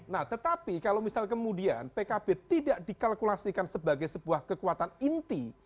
nah tetapi kalau misal kemudian pkb tidak dikalkulasikan sebagai sebuah kekuatan inti